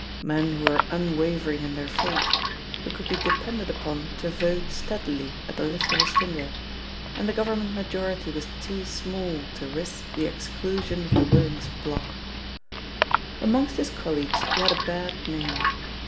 Men who were unwavering in their faith, who could be depended upon to vote steadily at the lift of his finger, and the Government majority was too small to risk the exclusion of the Willings' bloc. Amongst his colleagues he had a bad name.